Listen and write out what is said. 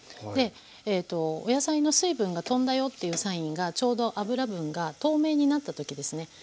でお野菜の水分がとんだよっていうサインがちょうど油分が透明になった時ですね。